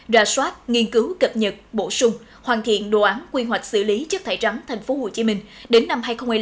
ra soát nghiên cứu cập nhật bổ sung hoàn thiện đồ án quy hoạch xử lý chất thải rắn tp hcm đến năm hai nghìn hai mươi năm